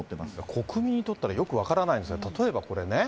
国民にとったらよく分からないんですが、例えばこれね。